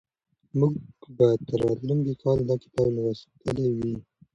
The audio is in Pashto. موږ به تر راتلونکي کاله دا کتاب لوستلی وي.